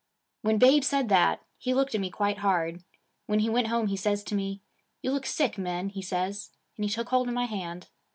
When Babe said that, he looked at me quite hard. When he went home he says to me, "You look sick, Min," he says, and he took hold of my hand.